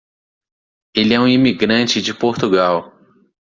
Ele é um imigrante de Portugal.